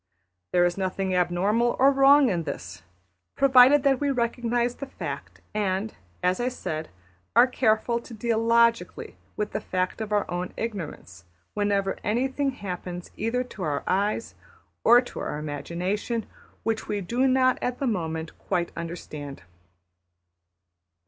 There is nothing abnormal or wrong in this, provided that we recognise the fact, and, as I said, are careful to deal logically with the fact of our own ignorance whenever anything happens either to our eyes or to our imagination which we do not at the moment quite understand.